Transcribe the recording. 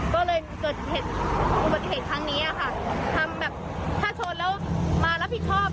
ก็เลยเกิดอุบัติเทศทั้งนี้อ่ะค่ะทำแบบถ้าโชคแล้วมาแล้วผิดชอบ